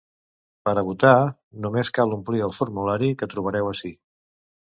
Per a votar només cal omplir el formulari que trobareu ací.